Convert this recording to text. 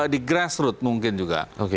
di grassroot mungkin juga